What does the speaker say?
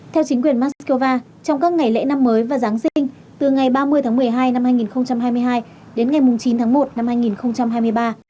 theo chính quyền moscow trong các ngày lễ năm mới và giáng sinh từ ngày ba mươi tháng một mươi hai năm hai nghìn hai mươi hai đến ngày chín tháng một năm hai nghìn hai mươi ba